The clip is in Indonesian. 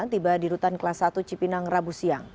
tiba di rutan kelas satu cipinang rabu siang